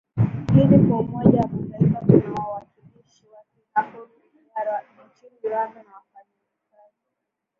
ini kama umoja wa mataifa tuna wawakilishi wake hapo nchini rwanda na wanafanya kazi